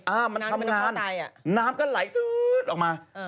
อ้าวมันทำงานน้ำก็ไหลออกมา